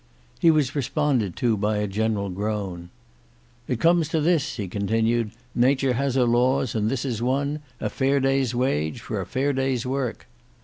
He was responded to by a general groan. "It comes to this," he continued, "Natur has her laws, and this is one; a fair day's wage for a fair day's work."